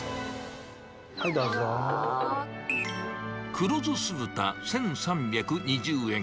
黒酢酢豚１３２０円。